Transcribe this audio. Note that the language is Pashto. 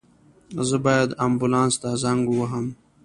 زه باید آنبولاس ته زنګ ووهم